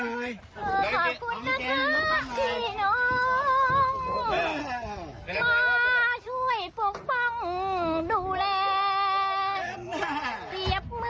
มาช่วยปุ๊กป้องดูแล